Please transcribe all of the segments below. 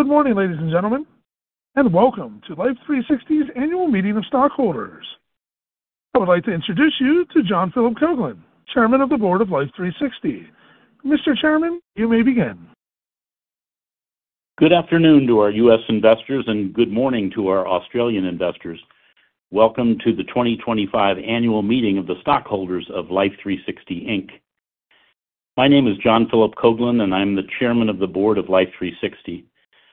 Good morning, ladies and gentlemen, and welcome to Life360's annual meeting of stockholders. I would like to introduce you to John Philip Coghlan, Chairman of the Board of Life360. Mr. Chairman, you may begin. Good afternoon to our U.S. investors, and good morning to our Australian investors. Welcome to the 2025 annual meeting of the stockholders of Life360 Inc. My name is John Philip Coghlan, and I'm the Chairman of the Board of Life360.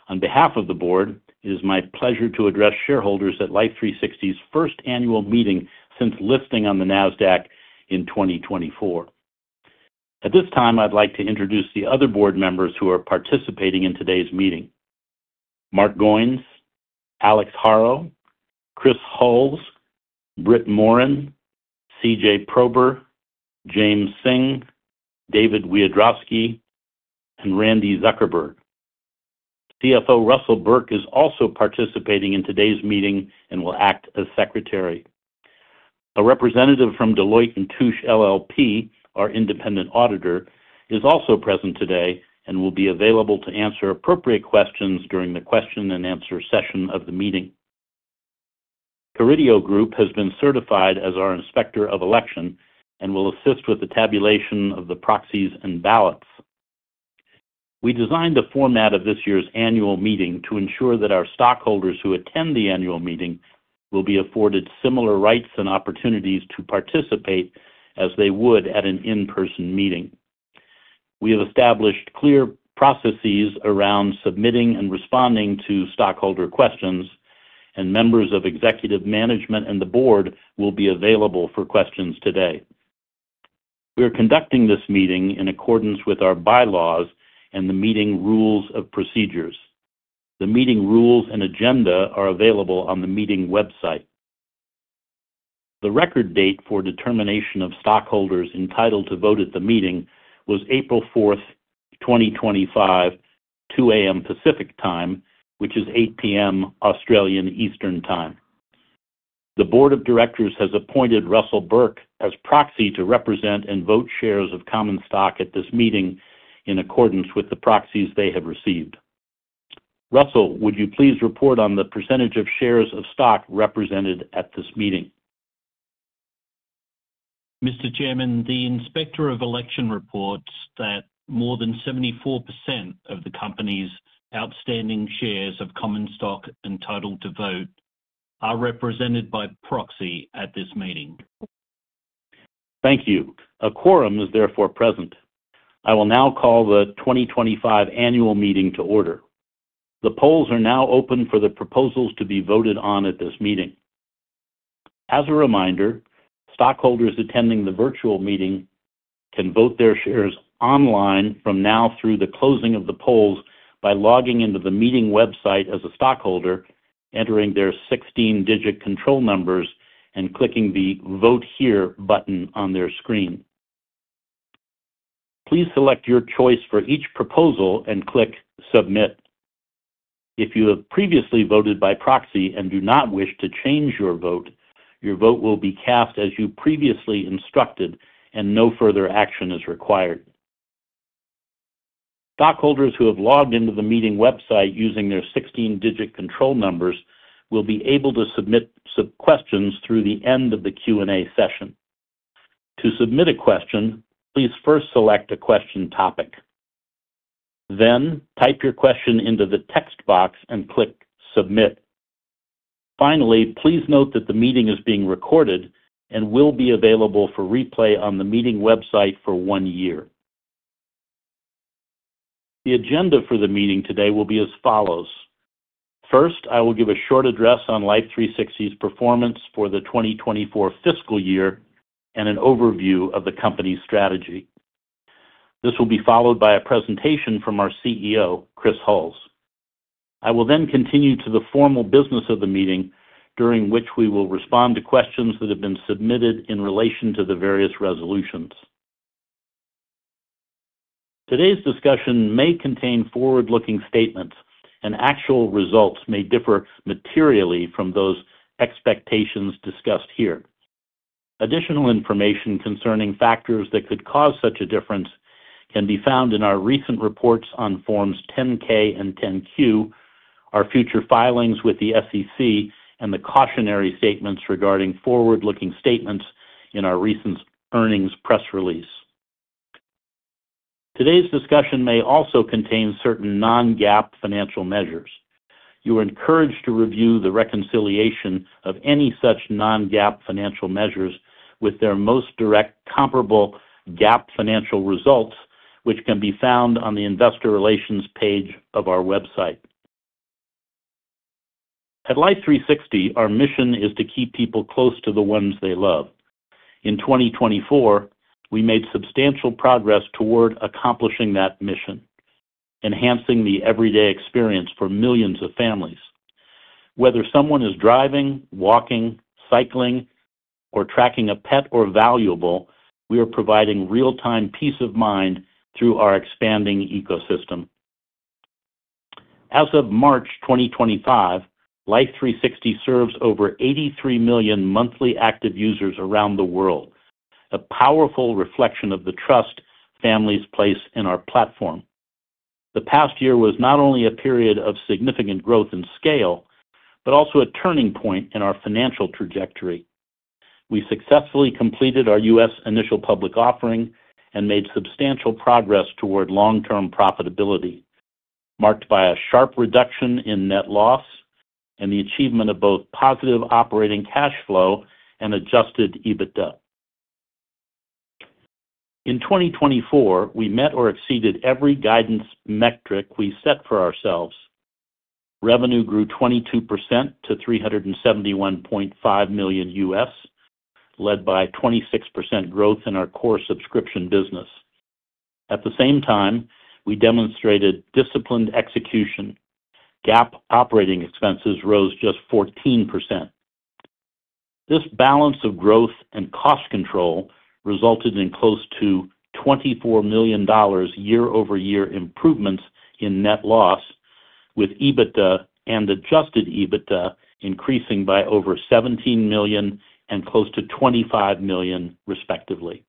On behalf of the Board, it is my pleasure to address shareholders at Life360's first annual meeting since listing on the NASDAQ in 2024. At this time, I'd like to introduce the other Board members who are participating in today's meeting: Mark Goines, Alex Haro, Chris Hulls, Brit Morin, CJ Prober, James Synge, David Wiadrowski, and Randi Zuckerberg. CFO Russell Burke is also participating in today's meeting and will act as Secretary. A representative from Deloitte & Touche LLP, our independent auditor, is also present today and will be available to answer appropriate questions during the question-and-answer session of the meeting. Caridio Group has been certified as our Inspector of Election and will assist with the tabulation of the proxies and ballots. We designed the format of this year's annual meeting to ensure that our stockholders who attend the annual meeting will be afforded similar rights and opportunities to participate as they would at an in-person meeting. We have established clear processes around submitting and responding to stockholder questions, and members of executive management and the Board will be available for questions today. We are conducting this meeting in accordance with our bylaws and the meeting rules of procedures. The meeting rules and agenda are available on the meeting website. The record date for determination of stockholders entitled to vote at the meeting was April 4, 2025, 2:00 A.M. Pacific time, which is 8:00 P.M. Australian Eastern time. The Board of Directors has appointed Russell Burke as proxy to represent and vote shares of common stock at this meeting in accordance with the proxies they have received. Russell, would you please report on the percentage of shares of stock represented at this meeting? Mr. Chairman, the Inspector of Election reports that more than 74% of the company's outstanding shares of common stock entitled to vote are represented by proxy at this meeting. Thank you. A quorum is therefore present. I will now call the 2025 annual meeting to order. The polls are now open for the proposals to be voted on at this meeting. As a reminder, stockholders attending the virtual meeting can vote their shares online from now through the closing of the polls by logging into the meeting website as a stockholder, entering their 16-digit control numbers, and clicking the "Vote Here" button on their screen. Please select your choice for each proposal and click "Submit." If you have previously voted by proxy and do not wish to change your vote, your vote will be cast as you previously instructed, and no further action is required. Stockholders who have logged into the meeting website using their 16-digit control numbers will be able to submit questions through the end of the Q&A session. To submit a question, please first select a question topic. Then, type your question into the text box and click "Submit." Finally, please note that the meeting is being recorded and will be available for replay on the meeting website for one year. The agenda for the meeting today will be as follows. First, I will give a short address on Life360's performance for the 2024 fiscal year and an overview of the company's strategy. This will be followed by a presentation from our CEO, Chris Hulls. I will then continue to the formal business of the meeting, during which we will respond to questions that have been submitted in relation to the various resolutions. Today's discussion may contain forward-looking statements, and actual results may differ materially from those expectations discussed here. Additional information concerning factors that could cause such a difference can be found in our recent reports on Forms 10-K and 10-Q, our future filings with the SEC, and the cautionary statements regarding forward-looking statements in our recent earnings press release. Today's discussion may also contain certain Non-GAAP financial measures. You are encouraged to review the reconciliation of any such Non-GAAP financial measures with their most direct comparable GAAP financial results, which can be found on the Investor Relations page of our website. At Life360, our mission is to keep people close to the ones they love. In 2024, we made substantial progress toward accomplishing that mission: enhancing the everyday experience for millions of families. Whether someone is driving, walking, cycling, or tracking a pet or valuable, we are providing real-time peace of mind through our expanding ecosystem. As of March 2025, Life360 serves over 83 million monthly active users around the world, a powerful reflection of the trust families place in our platform. The past year was not only a period of significant growth in scale but also a turning point in our financial trajectory. We successfully completed our U.S. initial public offering and made substantial progress toward long-term profitability, marked by a sharp reduction in net loss and the achievement of both positive operating cash flow and Adjusted EBITDA. In 2024, we met or exceeded every guidance metric we set for ourselves. Revenue grew 22% to $371.5 million, led by 26% growth in our core subscription business. At the same time, we demonstrated disciplined execution. GAAP operating expenses rose just 14%. This balance of growth and cost control resulted in close to $24 million year-over-year improvements in net loss, with EBITDA and Adjusted EBITDA increasing by over $17 million and close to $25 million, respectively.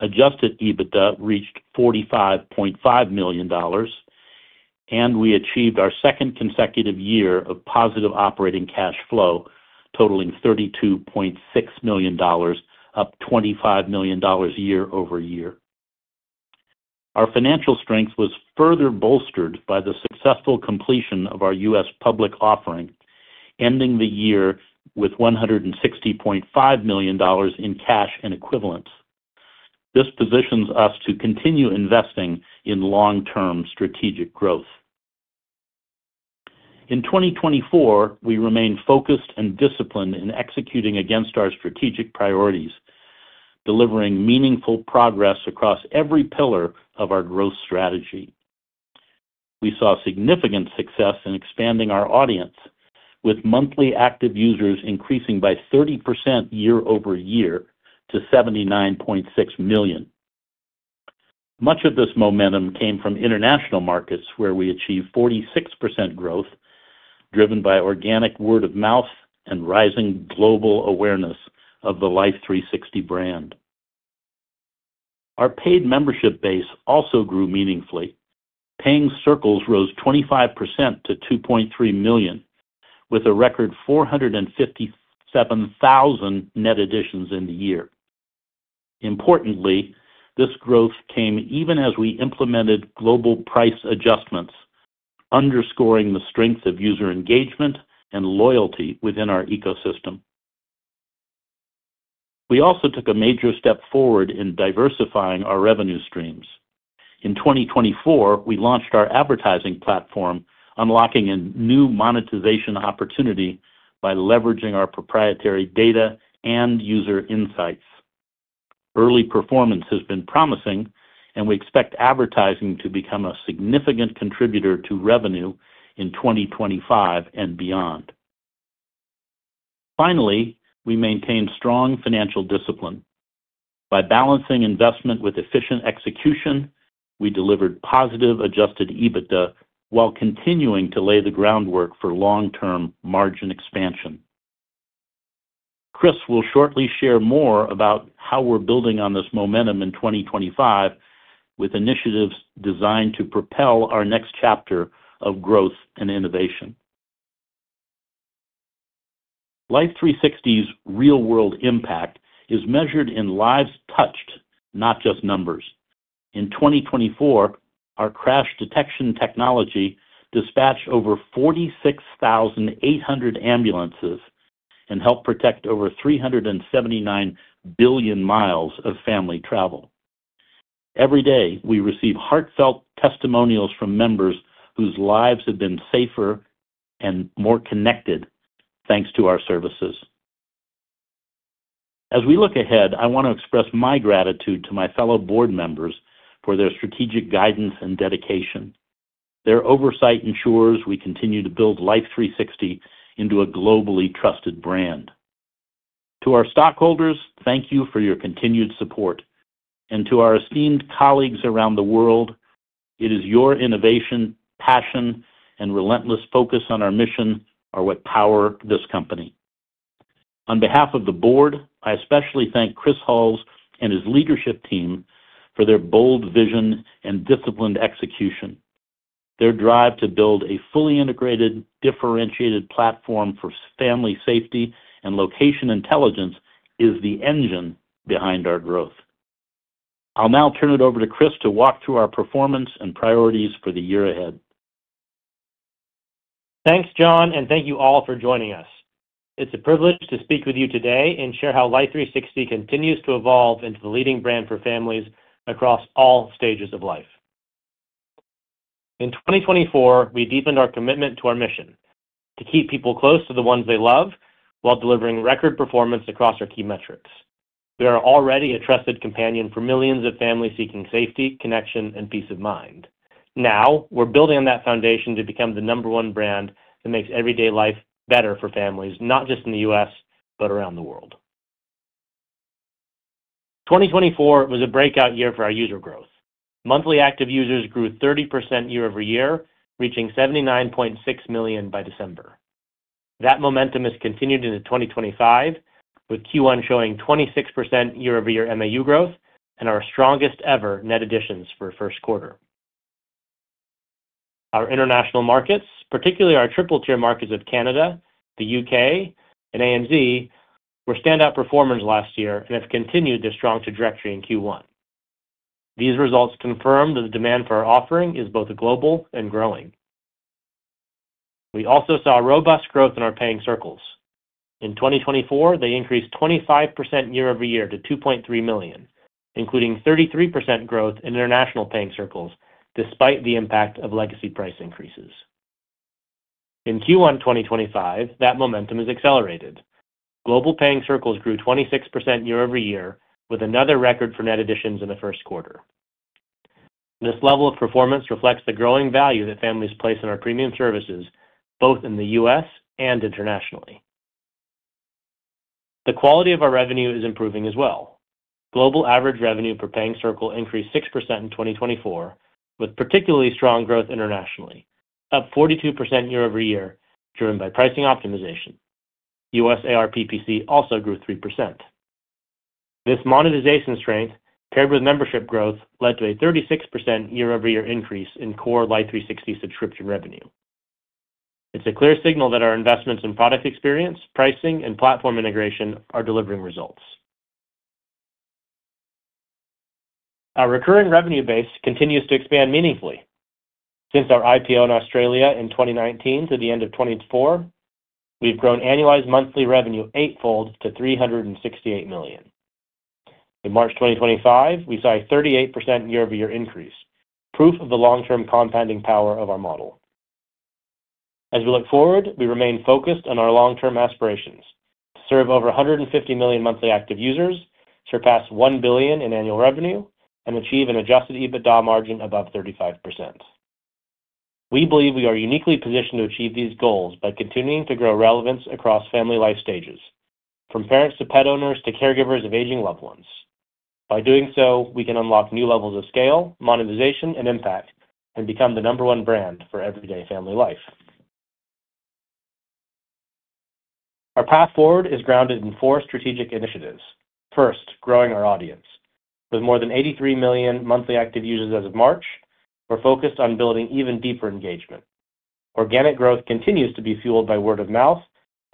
Adjusted EBITDA reached $45.5 million, and we achieved our second consecutive year of positive operating cash flow, totaling $32.6 million, up $25 million year-over-year. Our financial strength was further bolstered by the successful completion of our U.S. public offering, ending the year with $160.5 million in cash and equivalents. This positions us to continue investing in long-term strategic growth. In 2024, we remain focused and disciplined in executing against our strategic priorities, delivering meaningful progress across every pillar of our growth strategy. We saw significant success in expanding our audience, with monthly active users increasing by 30% year-over-year to 79.6 million. Much of this momentum came from international markets, where we achieved 46% growth, driven by organic word-of-mouth and rising global awareness of the Life360 brand. Our paid membership base also grew meaningfully. Paying Circles rose 25% to $2.3 million, with a record $457,000 net additions in the year. Importantly, this growth came even as we implemented global price adjustments, underscoring the strength of user engagement and loyalty within our ecosystem. We also took a major step forward in diversifying our revenue streams. In 2024, we launched our advertising platform, unlocking a new monetization opportunity by leveraging our proprietary data and user insights. Early performance has been promising, and we expect advertising to become a significant contributor to revenue in 2025 and beyond. Finally, we maintained strong financial discipline. By balancing investment with efficient execution, we delivered positive Adjusted EBITDA while continuing to lay the groundwork for long-term margin expansion. Chris will shortly share more about how we're building on this momentum in 2025 with initiatives designed to propel our next chapter of growth and innovation. Life360's real-world impact is measured in lives touched, not just numbers. In 2024, our crash detection technology dispatched over 46,800 ambulances and helped protect over 379 billion miles of family travel. Every day, we receive heartfelt testimonials from members whose lives have been safer and more connected, thanks to our services. As we look ahead, I want to express my gratitude to my fellow Board members for their strategic guidance and dedication. Their oversight ensures we continue to build Life360 into a globally trusted brand. To our stockholders, thank you for your continued support. To our esteemed colleagues around the world, it is your innovation, passion, and relentless focus on our mission that are what power this company. On behalf of the Board, I especially thank Chris Hulls and his leadership team for their bold vision and disciplined execution. Their drive to build a fully integrated, differentiated platform for family safety and location intelligence is the engine behind our growth. I'll now turn it over to Chris to walk through our performance and priorities for the year ahead. Thanks, John, and thank you all for joining us. It's a privilege to speak with you today and share how Life360 continues to evolve into the leading brand for families across all stages of life. In 2024, we deepened our commitment to our mission to keep people close to the ones they love while delivering record performance across our key metrics. We are already a trusted companion for millions of families seeking safety, connection, and peace of mind. Now, we're building on that foundation to become the number one brand that makes everyday life better for families, not just in the U.S. but around the world. 2024 was a breakout year for our user growth. Monthly active users grew 30% year-over-year, reaching $79.6 million by December. That momentum has continued into 2025, with Q1 showing 26% year-over-year MAU growth and our strongest-ever net additions for the first quarter. Our international markets, particularly our triple-tier markets of Canada, the U.K., and ANZ, were standout performers last year and have continued their strong trajectory in Q1. These results confirm that the demand for our offering is both global and growing. We also saw robust growth in our Paying Circles. In 2024, they increased 25% year-over-year to $2.3 million, including 33% growth in international Paying Circles, despite the impact of legacy price increases. In Q1 2025, that momentum has accelerated. Global Paying Circles grew 26% year-over-year, with another record for net additions in the first quarter. This level of performance reflects the growing value that families place in our premium services, both in the U.S. and internationally. The quality of our revenue is improving as well. Global average revenue per paying circle increased 6% in 2024, with particularly strong growth internationally, up 42% year-over-year, driven by pricing optimization. U.S. ARPPC also grew 3%. This monetization strength, paired with membership growth, led to a 36% year-over-year increase in core Life360 subscription revenue. It's a clear signal that our investments in product experience, pricing, and platform integration are delivering results. Our recurring revenue base continues to expand meaningfully. Since our IPO in Australia in 2019 to the end of 2024, we've grown annualized monthly revenue eightfold to $368 million. In March 2025, we saw a 38% year-over-year increase, proof of the long-term compounding power of our model. As we look forward, we remain focused on our long-term aspirations: to serve over 150 million monthly active users, surpass $1 billion in annual revenue, and achieve an Adjusted EBITDA margin above 35%. We believe we are uniquely positioned to achieve these goals by continuing to grow relevance across family life stages, from parents to pet owners to caregivers of aging loved ones. By doing so, we can unlock new levels of scale, monetization, and impact, and become the number one brand for everyday family life. Our path forward is grounded in four strategic initiatives. First, growing our audience. With more than 83 million monthly active users as of March, we're focused on building even deeper engagement. Organic growth continues to be fueled by word-of-mouth,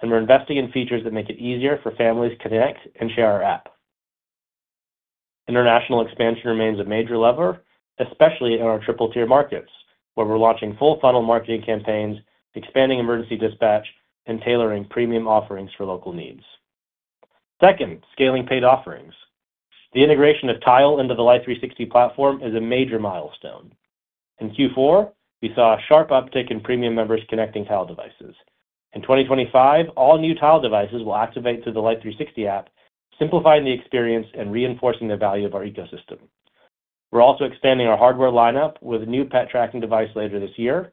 and we're investing in features that make it easier for families to connect and share our app. International expansion remains a major lever, especially in our triple-tier markets, where we're launching full-funnel marketing campaigns, expanding emergency dispatch, and tailoring premium offerings for local needs. Second, scaling paid offerings. The integration of Tile into the Life360 platform is a major milestone. In Q4, we saw a sharp uptick in premium members connecting Tile devices. In 2025, all new Tile devices will activate through the Life360 app, simplifying the experience and reinforcing the value of our ecosystem. We're also expanding our hardware lineup with a new pet tracking device later this year,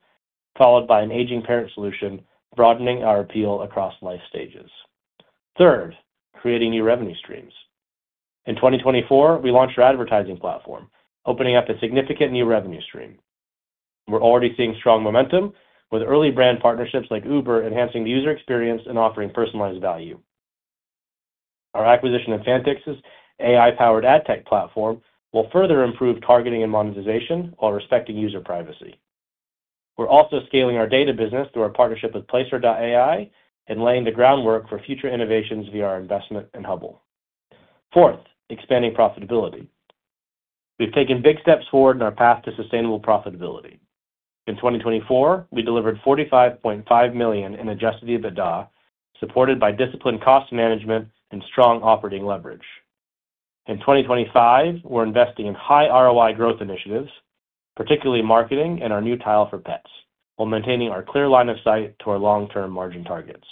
followed by an aging parent solution, broadening our appeal across life stages. Third, creating new revenue streams. In 2024, we launched our advertising platform, opening up a significant new revenue stream. We're already seeing strong momentum, with early brand partnerships like Uber enhancing the user experience and offering personalized value. Our acquisition of Fantix, an AI-powered ad tech platform, will further improve targeting and monetization while respecting user privacy. We're also scaling our data business through our partnership with Placer.ai and laying the groundwork for future innovations via our investment in Hubble. Fourth, expanding profitability. We've taken big steps forward in our path to sustainable profitability. In 2024, we delivered $45.5 million in Adjusted EBITDA, supported by disciplined cost management and strong operating leverage. In 2025, we're investing in high ROI growth initiatives, particularly marketing and our new Tile for Pets, while maintaining our clear line of sight to our long-term margin targets.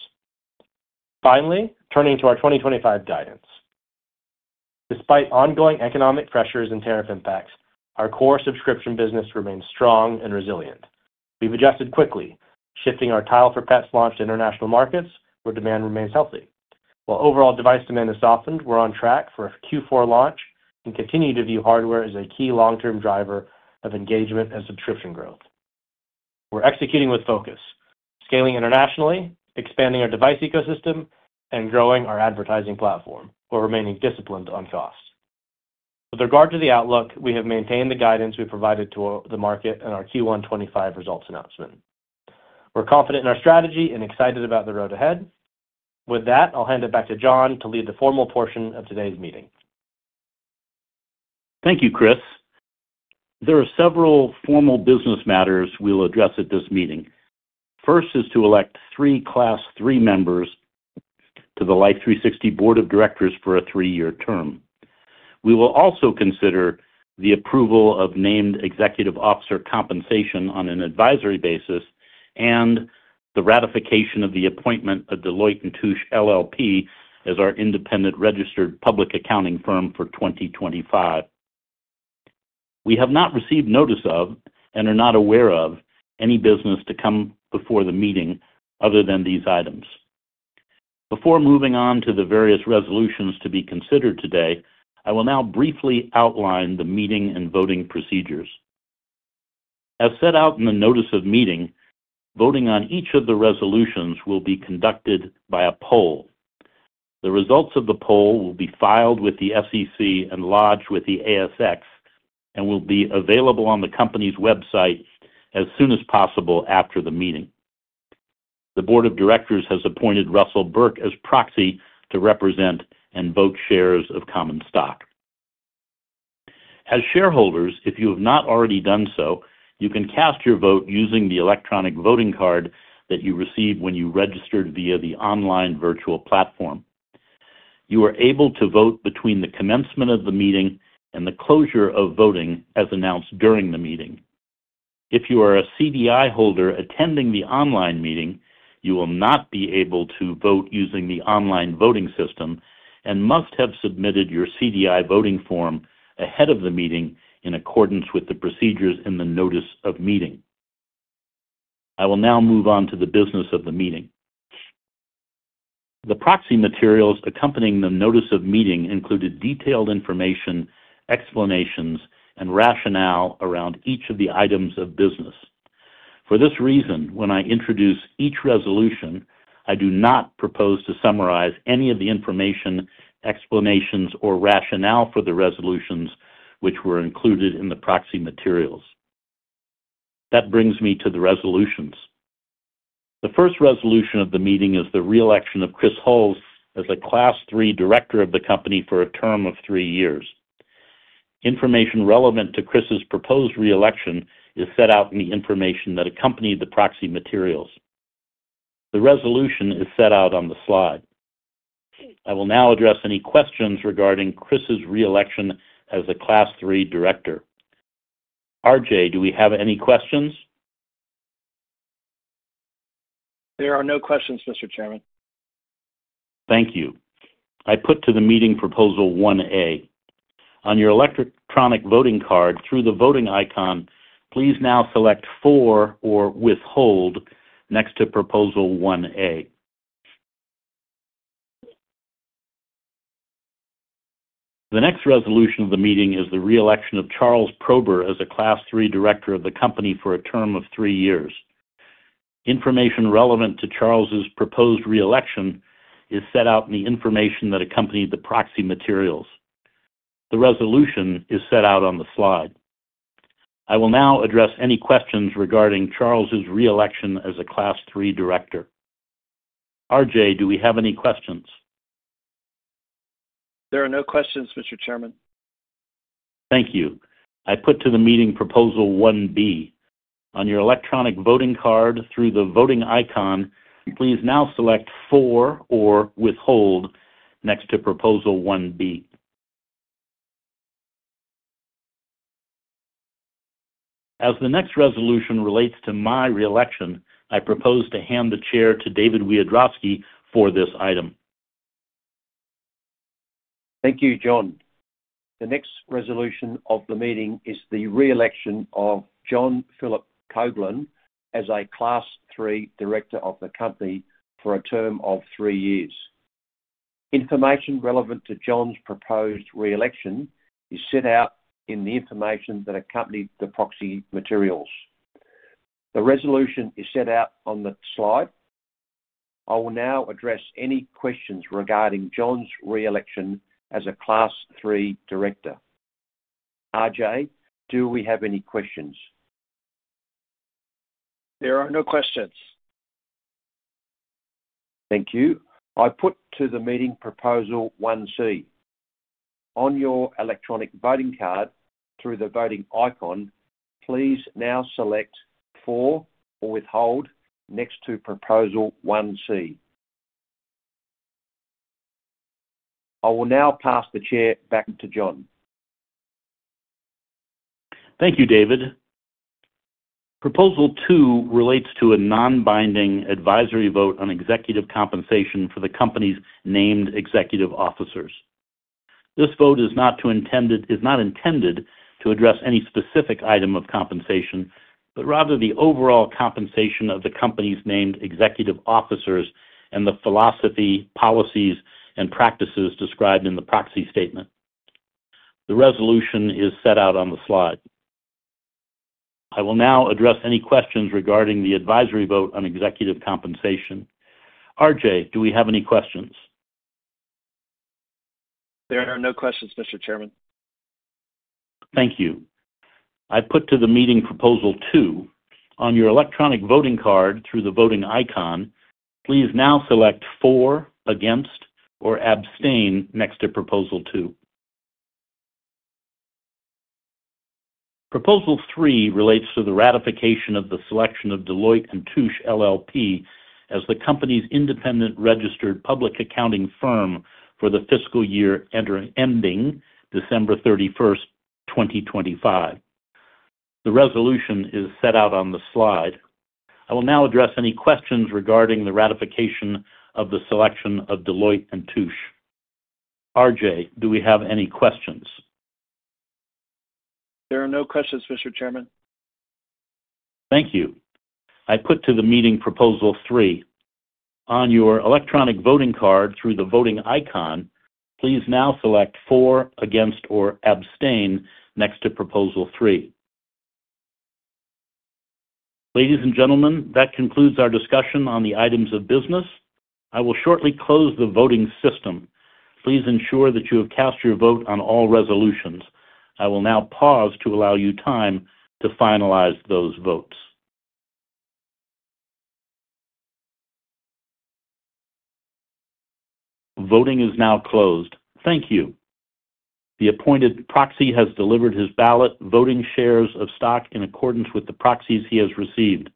Finally, turning to our 2025 guidance. Despite ongoing economic pressures and tariff impacts, our core subscription business remains strong and resilient. We've adjusted quickly, shifting our Tile for Pets launch to international markets where demand remains healthy. While overall device demand has softened, we're on track for a Q4 launch and continue to view hardware as a key long-term driver of engagement and subscription growth. We're executing with focus, scaling internationally, expanding our device ecosystem, and growing our advertising platform while remaining disciplined on cost. With regard to the outlook, we have maintained the guidance we provided to the market in our Q1 2025 results announcement. We're confident in our strategy and excited about the road ahead. With that, I'll hand it back to John to lead the formal portion of today's meeting. Thank you, Chris. There are several formal business matters we'll address at this meeting. First is to elect three Class 3 members to the Life360 Board of Directors for a three-year term. We will also consider the approval of named executive officer compensation on an advisory basis and the ratification of the appointment of Deloitte & Touche LLP as our independent registered public accounting firm for 2025. We have not received notice of and are not aware of any business to come before the meeting other than these items. Before moving on to the various resolutions to be considered today, I will now briefly outline the meeting and voting procedures. As set out in the notice of meeting, voting on each of the resolutions will be conducted by a poll. The results of the poll will be filed with the SEC and lodged with the ASX and will be available on the company's website as soon as possible after the meeting. The Board of Directors has appointed Russell Burke as proxy to represent and vote shares of common stock. As shareholders, if you have not already done so, you can cast your vote using the electronic voting card that you received when you registered via the online virtual platform. You are able to vote between the commencement of the meeting and the closure of voting as announced during the meeting. If you are a CDI holder attending the online meeting, you will not be able to vote using the online voting system and must have submitted your CDI voting form ahead of the meeting in accordance with the procedures in the notice of meeting. I will now move on to the business of the meeting. The proxy materials accompanying the notice of meeting included detailed information, explanations, and rationale around each of the items of business. For this reason, when I introduce each resolution, I do not propose to summarize any of the information, explanations, or rationale for the resolutions which were included in the proxy materials. That brings me to the resolutions. The first resolution of the meeting is the re-election of Chris Hulls as a Class 3 director of the company for a term of three years. Information relevant to Chris's proposed re-election is set out in the information that accompanied the proxy materials. The resolution is set out on the slide. I will now address any questions regarding Chris's re-election as a Class 3 director. RJ, do we have any questions? There are no questions, Mr. Chairman. Thank you. I put to the meeting Proposal 1A. On your electronic voting card, through the voting icon, please now select For or Withhold next to Proposal 1A. The next resolution of the meeting is the re-election of Charles Prober as a Class 3 director of the company for a term of three years. Information relevant to Charles's proposed re-election is set out in the information that accompanied the proxy materials. The resolution is set out on the slide. I will now address any questions regarding Charles's re-election as a Class 3 director. RJ, do we have any questions? There are no questions, Mr. Chairman. Thank you. I put to the meeting Proposal 1B. On your electronic voting card, through the voting icon, please now select For or Withhold next to Proposal 1B. As the next resolution relates to my re-election, I propose to hand the chair to David Wiadrowski for this item. Thank you, John. The next resolution of the meeting is the re-election of John Philip Coghlan as a Class 3 director of the company for a term of three years. Information relevant to John's proposed re-election is set out in the information that accompanied the proxy materials. The resolution is set out on the slide. I will now address any questions regarding John's re-election as a Class 3 director. RJ, do we have any questions? There are no questions. Thank you. I put to the meeting Proposal 1C. On your electronic voting card, through the voting icon, please now select For or Withhold next to Proposal 1C. I will now pass the chair back to John. Thank you, David. Proposal 2 relates to a non-binding advisory vote on executive compensation for the company's named executive officers. This vote is not intended to address any specific item of compensation, but rather the overall compensation of the company's named executive officers and the philosophy, policies, and practices described in the proxy statement. The resolution is set out on the slide. I will now address any questions regarding the advisory vote on executive compensation. RJ, do we have any questions? There are no questions, Mr. Chairman. Thank you. I put to the meeting Proposal 2. On your electronic voting card, through the voting icon, please now select For, Against, or Abstain next to Proposal 2. Proposal 3 relates to the ratification of the selection of Deloitte & Touche LLP as the company's independent registered public accounting firm for the fiscal year ending December 31, 2025. The resolution is set out on the slide. I will now address any questions regarding the ratification of the selection of Deloitte & Touche. RJ, do we have any questions? There are no questions, Mr. Chairman. Thank you. I put to the meeting Proposal 3. On your electronic voting card, through the voting icon, please now select For, Against, or Abstain next to Proposal 3. Ladies and gentlemen, that concludes our discussion on the items of business. I will shortly close the voting system. Please ensure that you have cast your vote on all resolutions. I will now pause to allow you time to finalize those votes. Voting is now closed. Thank you. The appointed proxy has delivered his ballot, voting shares of stock in accordance with the proxies he has received.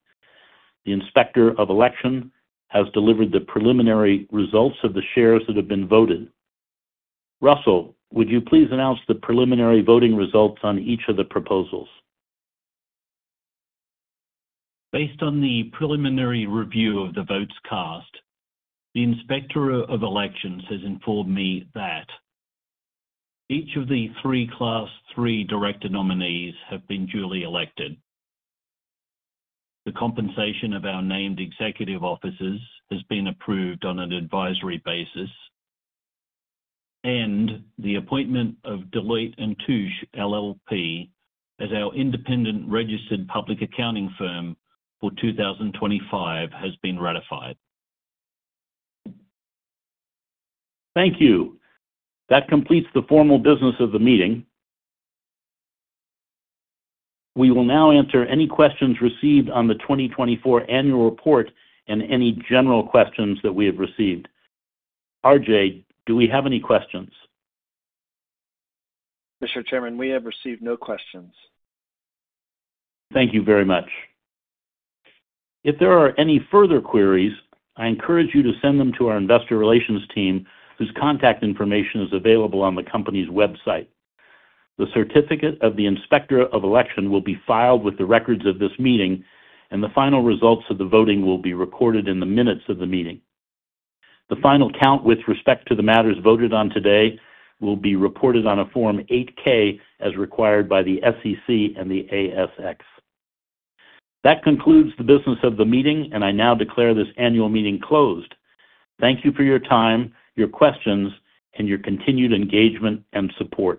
The inspector of election has delivered the preliminary results of the shares that have been voted. Russell, would you please announce the preliminary voting results on each of the proposals? Based on the preliminary review of the votes cast, the inspector of elections has informed me that each of the three Class 3 director nominees have been duly elected, the compensation of our named executive officers has been approved on an advisory basis, and the appointment of Deloitte & Touche LLP as our independent registered public accounting firm for 2025 has been ratified. Thank you. That completes the formal business of the meeting. We will now answer any questions received on the 2024 annual report and any general questions that we have received. RJ, do we have any questions? Mr. Chairman, we have received no questions. Thank you very much. If there are any further queries, I encourage you to send them to our investor relations team, whose contact information is available on the company's website. The certificate of the inspector of election will be filed with the records of this meeting, and the final results of the voting will be recorded in the minutes of the meeting. The final count with respect to the matters voted on today will be reported on a Form 8-K as required by the SEC and the ASX. That concludes the business of the meeting, and I now declare this annual meeting closed. Thank you for your time, your questions, and your continued engagement and support.